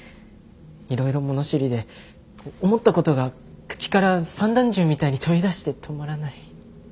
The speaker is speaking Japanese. いろいろ物知りで思ったことが口から散弾銃みたいに飛び出して止まらない。